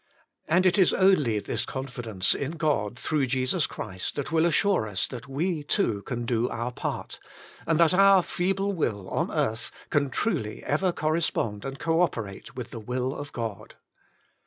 And it is only this confidence in God, through Jesife Christ, that will assure us, that we too can do our part, and that our feeble will on earth can truly ever correspond and co operate with the will of God.